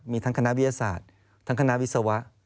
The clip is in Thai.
มีทั้งคณะวิทยาศาสตร์ทั้งคณะวิศวะ